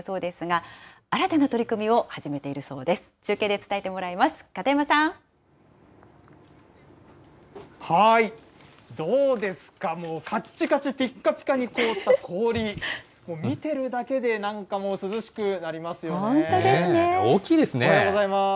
どうですか、もうかっちかち、ぴっかぴかに凍った氷、見ているだけでなんかもう涼しくなります